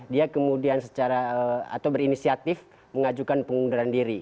dia kemudian secara atau berinisiatif mengajukan pengunduran diri